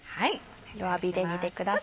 弱火で煮てください。